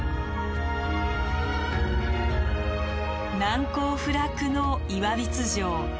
難攻不落の岩櫃城。